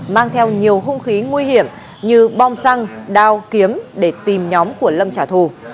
mang theo nhiều hung khí nguy hiểm như bom xăng đao kiếm để tìm nhóm của lâm trả thù